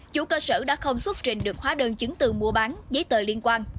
chủ cơ sở đã không xuất trình được hóa đơn chứng từ mua bán giấy tờ liên quan